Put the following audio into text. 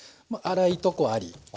粗いとこあり